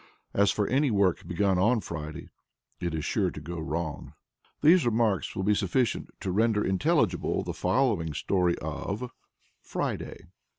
As for any work begun on a Friday, it is sure to go wrong. These remarks will be sufficient to render intelligible the following story of FRIDAY.